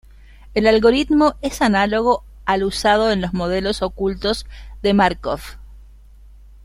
El algoritmo es análogo al usado en los modelos ocultos de Márkov.